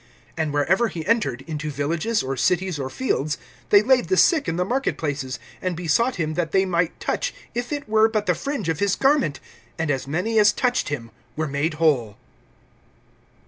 (56)And wherever he entered, into villages, or cities, or fields, they laid the sick in the marketplaces, and besought him that they might touch if it were but the fringe of his garment. And as many as touched him were made whole.